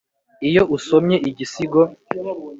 iyo usomye igisigo “